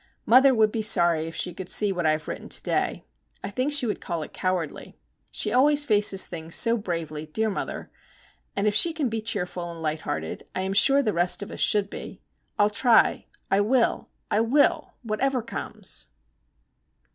Mother would be sorry if she could see what I have written to day. I think she would call it cowardly. She always faces things so bravely, dear mother!—and if she can be cheerful and light hearted I am sure the rest of us should be. I'll try,—I will,—I will,—whatever comes!